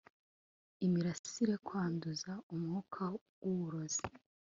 imirasire. kwanduza. umwuka w'uburozi